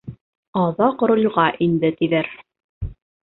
Аҙаҡ ролгә инде, тиҙәр.